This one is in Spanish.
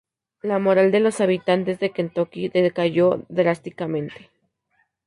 La moral de los habitantes de Kentucky decayó drásticamente.